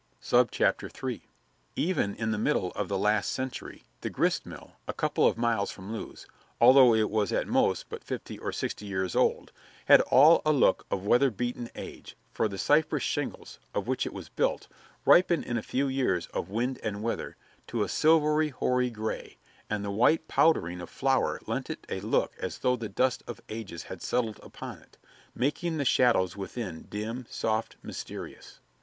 III Even in the middle of the last century the grist mill, a couple of miles from Lewes, although it was at most but fifty or sixty years old, had all a look of weather beaten age, for the cypress shingles, of which it was built, ripen in a few years of wind and weather to a silvery, hoary gray, and the white powdering of flour lent it a look as though the dust of ages had settled upon it, making the shadows within dim, soft, mysterious.